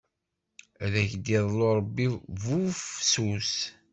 Ad ak-iḍlu Ṛebbi bufsus!